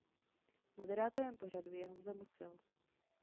Moderátorem pořadu je Honza Musil.